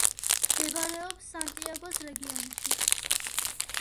მდებარეობს სანტიაგოს რეგიონში.